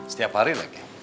setiap hari rake